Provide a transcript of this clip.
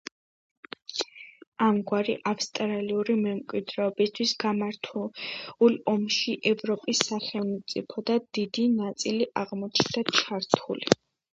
ამგვარად ავსტრიული მემკვიდრეობისათვის გამართულ ომში ევროპის სახელმწიფოთა დიდი ნაწილი აღმოჩნდა ჩართული.